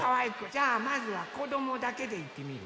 じゃあまずはこどもだけでいってみる？